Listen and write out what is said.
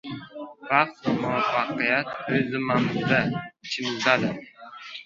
Baxt va muvaffaqiyat – o‘zimizda, ichimizdadir.